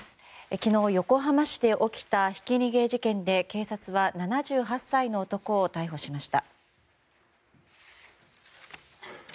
昨日、横浜市で起きたひき逃げ事件で警察は７８歳の男を逮捕しました。